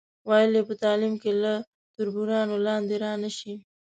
ویل یې په تعلیم کې له تربورانو لاندې را نشئ.